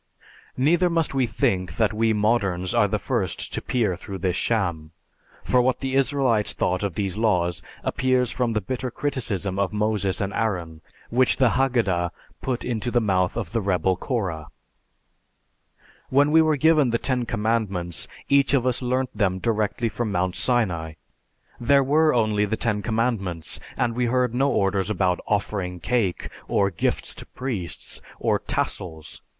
Neither must we think that we moderns are the first to peer through this sham, for what the Israelites thought of these laws appears from the bitter criticism of Moses and Aaron, which the Haggadah put into the mouth of the rebel Korah. "When we were given the ten commandments, each of us learnt them directly from Mount Sinai; there were only the ten commandments and we heard no orders about 'offering cake' or 'gifts to priests' or 'tassels.'